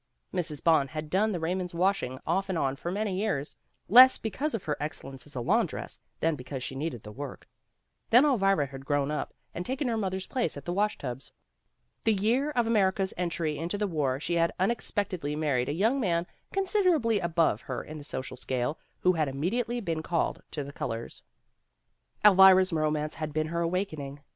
Mrs. Bond had done the Raymonds ' washing, off and on for many years, less because of her excellence as a laundress, than because she needed the work. Then Elvira had grown up, and taken her mother's THE RUMMAGE SALE 79 place at the wash tubs. The year of America's entry into the war she had unexpectedly married a young man considerably above her in the social scale, who had immediately been called to the colors. Elvira's romance had been her awakening.